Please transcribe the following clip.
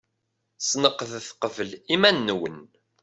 Sneqdet qbel iman-nwen.